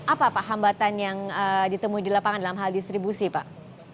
apa pak hambatan yang ditemui di lapangan dalam hal distribusi pak